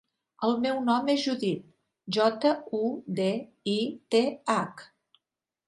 El meu nom és Judith: jota, u, de, i, te, hac.